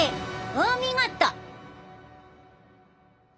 お見事！